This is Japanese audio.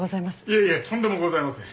いえいえとんでもございません。